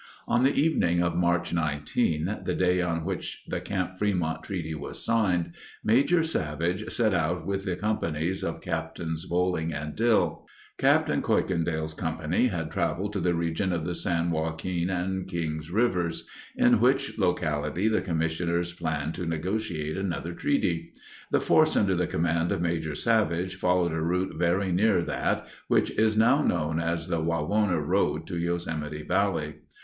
On the evening of March 19, the day on which the Camp Frémont treaty was signed, Major Savage set out with the companies of Captains Boling and Dill. Captain Kuykendall's company had traveled to the region of the San Joaquin and Kings rivers, in which locality the commissioners planned to negotiate another treaty. The force under the command of Major Savage followed a route very near that which is now known as the Wawona Road to Yosemite Valley.